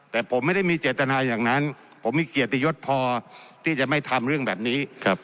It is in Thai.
แต่ผมไม่ได้มีเจตนาอย่างนั้นผมมีเกียรติยศพอที่จะไม่ทำเรื่องแบบนี้